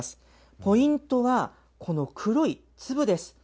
ポイントは、この黒い粒です。